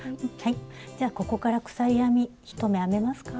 じゃあここから鎖編み１目編めますか？